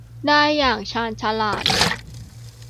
ได้อย่างชาญฉลาด